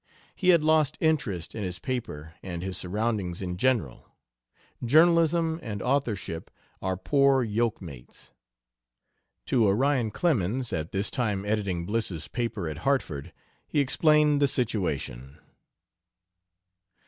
He had lost interest in his paper and his surroundings in general. Journalism and authorship are poor yoke mates. To Onion Clemens, at this time editing Bliss's paper at Hartford, he explained the situation.